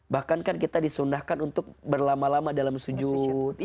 bahkan kan kita disunahkan untuk berlama lama dalam sujud